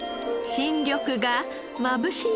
新緑がまぶしい